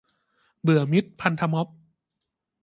เบื่อมิตรพันธม็อบ